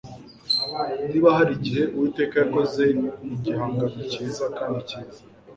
niba harigihe uwiteka yakoze igihangano cyiza kandi cyiza